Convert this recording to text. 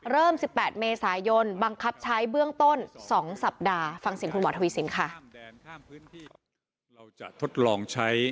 เริ่ม๑๘เมษายนบังคับใช้เบื้องต้น๒สัปดาห์